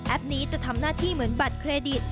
นี้จะทำหน้าที่เหมือนบัตรเครดิต